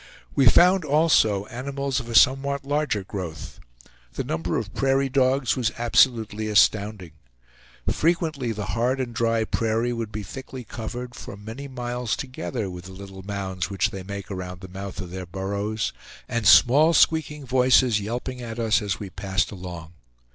We found also animals of a somewhat larger growth. The number of prairie dogs was absolutely astounding. Frequently the hard and dry prairie would be thickly covered, for many miles together, with the little mounds which they make around the mouth of their burrows, and small squeaking voices yelping at us as we passed along.